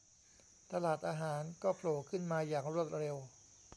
ตลาดอาหารก็โผล่ขึ้นมาอย่างรวดเร็ว